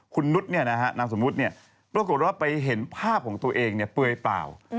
คุณนุษย์นามสมมุติปรากฏว่าไปเห็นภาพของตัวเองเปลือยเปล่า